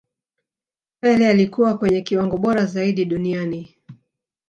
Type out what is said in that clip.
pele alikuwa kwenye kiwango bora zaidi duniani